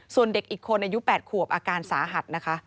ส่วนเด็กอีกคนอายุ๘ขวบอาการสาหัสนะคะ